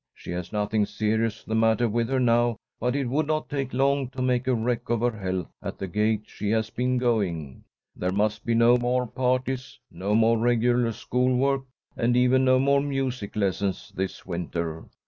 She has nothing serious the matter with her now, but it would not take long to make a wreck of her health at the gait she has been going. There must be no more parties, no more regular school work, and even no more music lessons this winter.